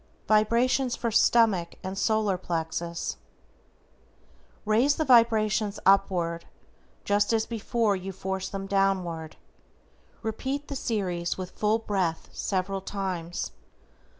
=VIBRATIONS FOR STOMACH and SOLAR PLEXUS:= Raise the vibrations upward, just as before you forced them downward. Repeat the series with full breath several times.